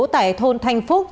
tại thôn thanh phúc